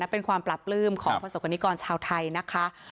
เป็นความปรับลืมของพสกนิกรชาวไทยนะคะ